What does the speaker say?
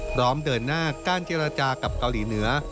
พร้อมเดินหน้าการเจรจากับเกาหลีเหนือ